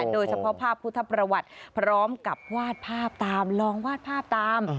โดยเฉพาะภาพพุทธประวัติพร้อมกับวาดภาพตามลองวาดภาพตาม